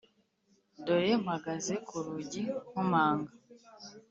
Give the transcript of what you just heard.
Dore mpagaze ku rugi nkomanga